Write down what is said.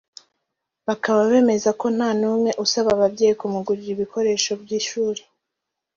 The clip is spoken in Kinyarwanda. bakaba bemeza ko nta n’umwe usaba ababyeyi kumugurira ibikoresho by’ishuri